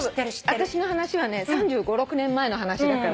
私の話はね３５３６年前の話だから。